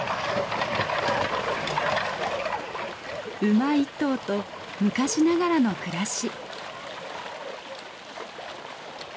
馬１頭と昔ながらの暮らし。